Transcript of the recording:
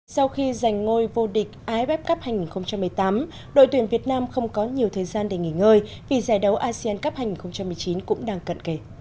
sau khi giành ngôi vô địch iff cup hai nghìn một mươi tám đội tuyển việt nam không có nhiều thời gian để nghỉ ngơi vì giải đấu asean cup hai nghìn một mươi chín cũng đang cận kề